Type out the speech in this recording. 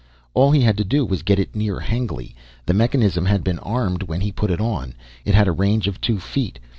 All he had to do was get it near Hengly, the mechanism had been armed when he put it on. It had a range of two feet.